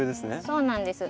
そうなんです。